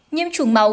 nhiễm chủng máu